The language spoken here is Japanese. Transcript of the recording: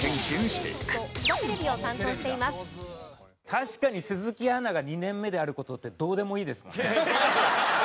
確かに鈴木アナが２年目である事ってどうでもいいですもんね。